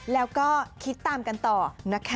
แล้วก็คิดตามกันต่อนะคะ